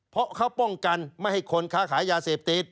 เพราะเขาป้องกันไม่ให้คนค้าขายยาเสพติด